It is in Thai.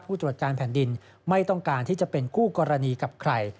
ผู้ตรวจการแผ่นดินไม่ต้องการที่จะเป็นคู่กรณีกับใคร